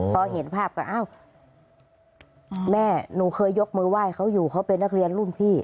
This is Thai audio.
พอเห็นภาพก็อ้าวแม่หนูเคยยกมือไหว้เขาอยู่เขาเป็นนักเรียนรุ่นพี่